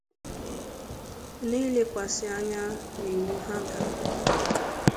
n'ilekwàsị anya n'iwu ha dàrà.